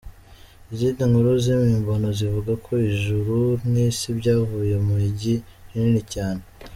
Izindi nkuru z’impimbano zivuga ko ijuru n’isi byavuye mu igi rinini cyane.